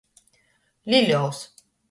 Liļovs.